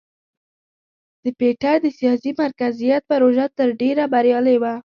د پیټر د سیاسي مرکزیت پروژه تر ډېره بریالۍ وه.